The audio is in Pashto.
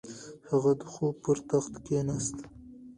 هغه د خوب پر تخت کیناست.